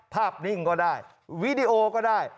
นิ่งก็ได้วีดีโอก็ได้